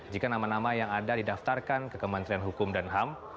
jika nama nama yang ada didaftarkan ke kementerian hukum dan ham